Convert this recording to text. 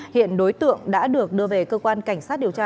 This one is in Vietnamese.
hiện đối tượng đã được đưa về cơ quan cảnh sát điều tra